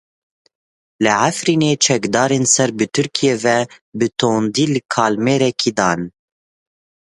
Li Efrînê çekdarên ser bi Tirkiyeyê ve bi tundî li kalemêrekî dan.